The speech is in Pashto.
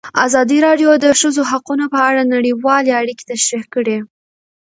ازادي راډیو د د ښځو حقونه په اړه نړیوالې اړیکې تشریح کړي.